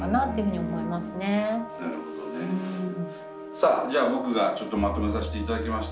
さあじゃあ僕がちょっとまとめさせて頂きました。